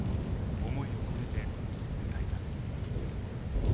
思いを込めて歌います。